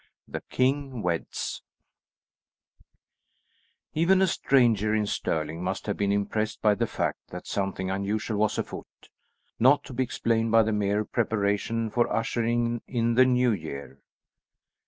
THE KING WEDS Even a stranger in Stirling must have been impressed by the fact that something unusual was afoot, not to be explained by the mere preparation for ushering in the New Year.